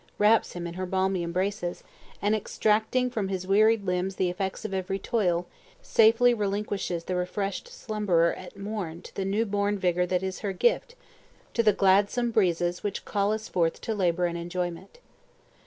wraps him in her balmy embraces, and extracting from his wearied limbs the effects of every toil, safely relinquishes the refreshed slumberer at morn to the new born vigor that is her gift; to the gladsome breezes which call us forth to labor and enjoyment.